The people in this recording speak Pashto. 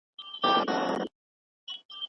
ایا ملي بڼوال وچ توت صادروي؟